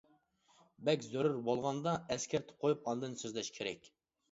بەك زۆرۈر بولغاندا ئەسكەرتىپ قويۇپ ئاندىن سۆزلەش كېرەك.